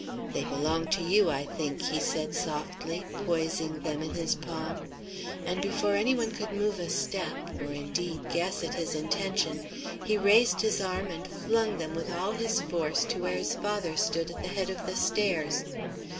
"'They belong to you, I think,' he said, softly, poising them in his palm; and before any one could move a step or indeed guess at his intention, he raised his arm and flung them with all his force to where his father stood at the head of the stairs.